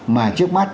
mà trước mắt